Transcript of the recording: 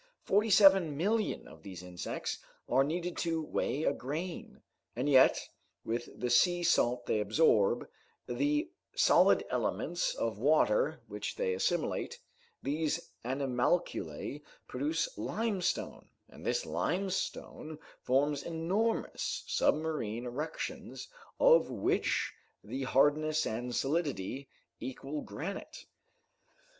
Forty seven millions of these insects are needed to weigh a grain, and yet, with the sea salt they absorb, the solid elements of water which they assimilate, these animalculae produce limestone, and this limestone forms enormous submarine erections, of which the hardness and solidity equal granite.